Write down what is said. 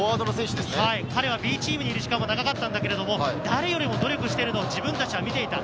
彼はＢチームにいる時間も長かったが、誰よりも努力しているのを自分たちは見ていた。